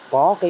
có cơ chế